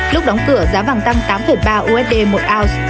lúc đóng cửa giá vàng tăng tám ba usd một ounce